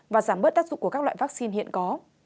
và giảm bớt tác dụng của các loại vaccine hiện có